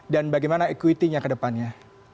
dan bagaimana equity nya ke depannya